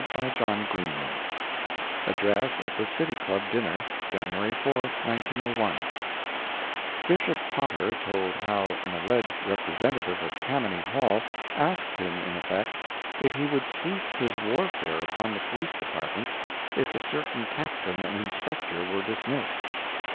MUNICIPAL CORRUPTION ADDRESS AT THE CITY CLUB DINNER, JANUARY 4,1901 Bishop Potter told how an alleged representative of Tammany Hall asked him in effect if he would cease his warfare upon the Police Department if a certain captain and inspector were dismissed.